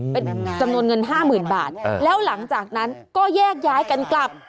เป็นจำนวนเงิน๕๐๐๐บาทแล้วหลังจากนั้นก็แยกย้ายกันกลับ